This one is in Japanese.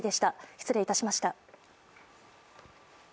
失礼いたしました。